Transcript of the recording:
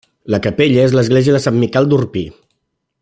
La capella és l'església de Sant Miquel d'Orpí.